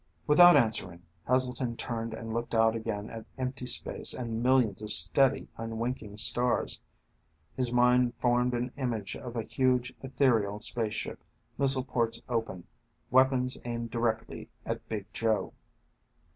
Without answering, Heselton turned and looked out again at empty space and millions of steady, unwinking stars. His mind formed an image of a huge, ethereal spaceship, missile ports open, weapons aimed directly at Big Joe.